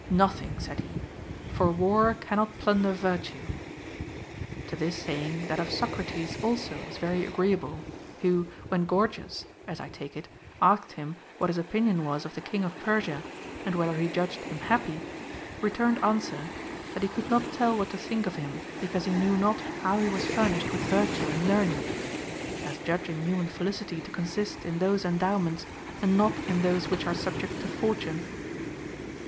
Nothing, said he, for war cannot plunder virtue. To this saying that of Socrates also is very agreeable ; who, when Gorgias (as I take it) asked him what his opinion Avas of the king of Persia, and whether he judged him happy, returned answer, that he could not tell what to think of him, because he knew not how he was furnished with virtue and learning, — as judging humaii felicity to consist in those endowments, and not in those which are subject to fortune. 14 OF THE TRAINING OF CHILDREN. 9.